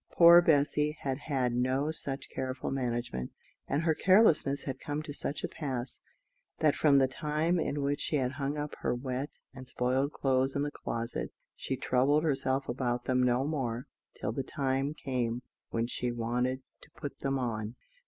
Poor Bessy had had no such careful management; and her carelessness had come to such a pass, that from the time in which she had hung up her wet and spoiled clothes in the closet, she troubled herself about them no more till the time came when she wanted to put them on.